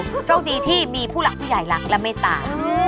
ส่วนช่วงดีที่มีผู้หลักผู้หญิงและไม่ต่ำ